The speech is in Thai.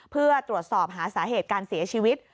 เพื่อตรวจสอบหาสาเหตุการเสียชีวิต